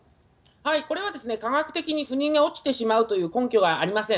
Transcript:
これは科学的に不妊が起きてしまうという根拠はありません。